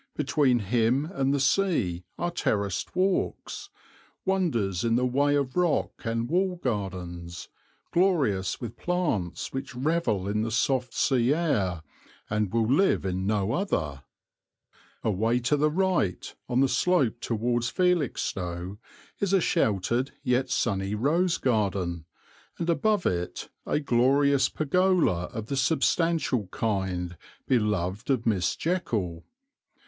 Between him and the sea are terraced walks, wonders in the way of rock and wall gardens, glorious with plants which revel in the soft sea air and will live in no other. Away to the right, on the slope towards Felixstowe, is a sheltered yet sunny rose garden, and above it a glorious pergola of the substantial kind beloved of Miss Jekyll.